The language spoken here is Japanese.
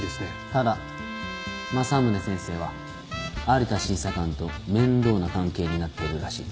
ただ政宗先生は有田審査官と面倒な関係になっているらしいと。